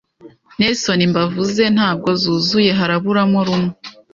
Nelson imbavuze ntabwo zuzuye haraburamo rumwe